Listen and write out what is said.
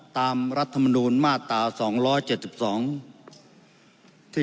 ตามรัฐมนุมมาตราที่๒๗๒